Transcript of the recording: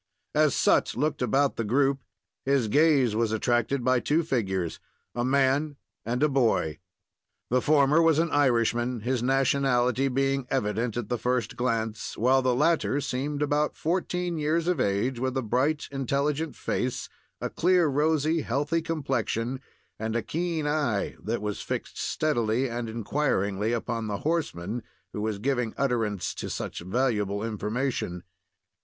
As Sut looked about the group, his gaze was attracted by two figures a man and a boy. The former was an Irishman his nationality being evident at the first glance while the latter seemed about fourteen years of age, with a bright, intelligent face, a clear, rosy, healthy complexion, and a keen eye that was fixed steadily and inquiringly upon the horseman who was giving utterance to such valuable information.